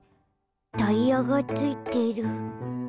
タイヤがついてる。